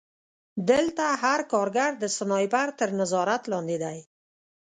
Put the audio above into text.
دلته هر کارګر د سنایپر تر نظارت لاندې دی